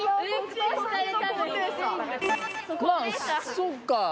そっか。